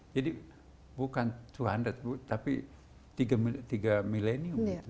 jadi bukan dua ratus tapi tiga milenium